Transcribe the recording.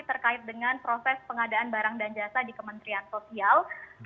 terkait dengan proses pengadaan barang dan jasa di kementerian sosial